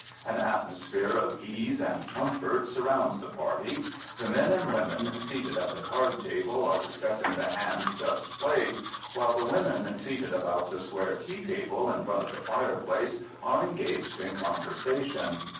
An atmosphere of ease and comfort surrounds the party. The men and women seated at the card table are discussing the hand just played, while the women seated about the square tea table in front of the fireplace are engaged in conversation.